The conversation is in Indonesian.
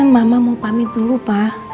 mama mau pamit dulu pak